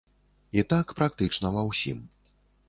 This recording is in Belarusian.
І так практычна ва ўсім.